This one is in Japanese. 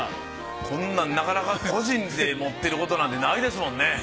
こんなんなかなか個人で持ってることなんてないですもんね。